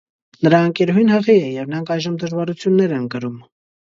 Նրա ընկերուհին հղի է, և նրանք այժմ դժվարություններ են կրում։